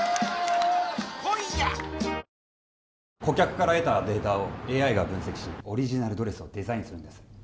顧客から得たデータをＡＩが分析しオリジナルドレスをデザインするんです